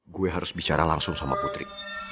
gue harus bicara langsung sama putri